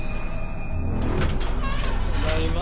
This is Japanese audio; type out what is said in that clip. ただいま。